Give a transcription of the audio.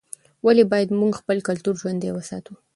ولې باید موږ خپل کلتور ژوندی وساتو؟